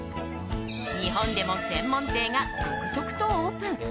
日本でも専門店が続々とオープン。